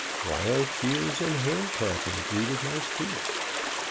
Wild cheers and handclapping greeted my speech.